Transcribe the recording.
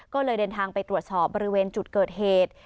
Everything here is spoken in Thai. ก็เลยเดินทางไปตรวจสอบบริเวณจุดเกิดเหตุ